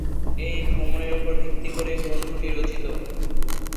এই ভ্রমণের ওপর ভিত্তি করে গ্রন্থটি রচিত।